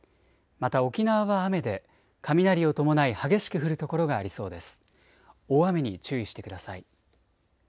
また沖縄は雨で雷を伴い激しく降る所がありそうです。